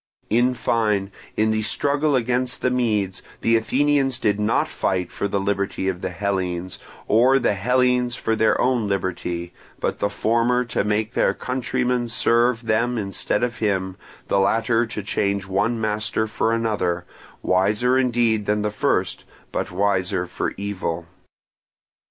In fine, in the struggle against the Medes, the Athenians did not fight for the liberty of the Hellenes, or the Hellenes for their own liberty, but the former to make their countrymen serve them instead of him, the latter to change one master for another, wiser indeed than the first, but wiser for evil.